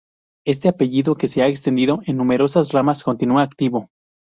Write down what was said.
Este apellido que se ha extendido en numerosas ramas continúa activo.